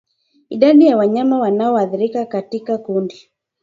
Idadi ya wanyama wanaoathirika katika kundi